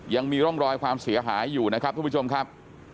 ยังมีร่องรอยความเสียหายอยู่นะครับทุกผู้ชมครับ